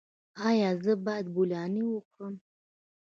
ایا زه باید بولاني وخورم؟